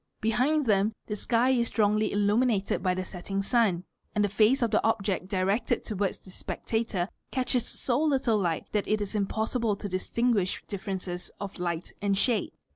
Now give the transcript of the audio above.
Behind dl em the sky is strongly illuminated by the setting sun, and the face of rt he object directed towards the spectator catches so httle light that it is ir possible to distinguish differences of hght and shade.